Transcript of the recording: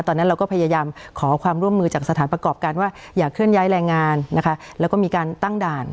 ตอนนั้นเราก็พยายามขอความร่วมมือจากสถานประกอบการว่าอย่าเคลื่อนย้ายแรงงานนะคะแล้วก็มีการตั้งด่าน